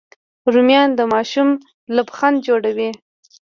رومیان د ماشوم لبخند جوړوي